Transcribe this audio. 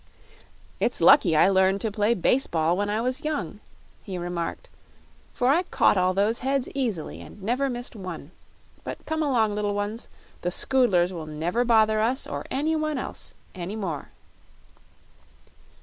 "It's lucky I learned to play base ball when I was young," he remarked, "for I caught all those heads easily and never missed one. But come along, little ones; the Scoodlers will never bother us or anyone else any more."